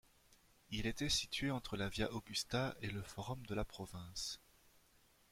Il était situé entre la Via Augusta et le forum de la province.